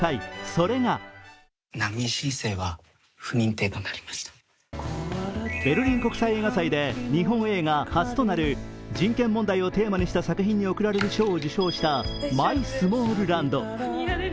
それがベルリン国際映画祭で日本映画初となる人権問題をテーマにした作品に贈られる賞を受賞した「マイスモールランド」。